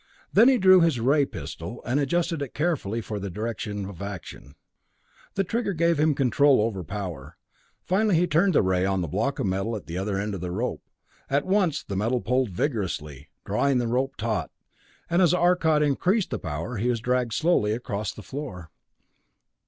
Then he drew his ray pistol, and adjusted it carefully for direction of action. The trigger gave him control over power. Finally he turned the ray on the block of metal at the other end of the rope. At once the metal pulled vigorously, drawing the rope taut, and as Arcot increased the power, he was dragged slowly across the floor.